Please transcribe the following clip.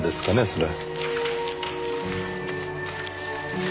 それ。